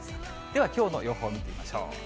ではきょうの予報見てみましょう。